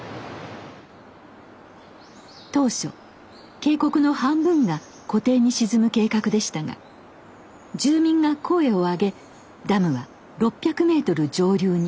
当初渓谷の半分が湖底に沈む計画でしたが住民が声をあげダムは６００ｍ上流に。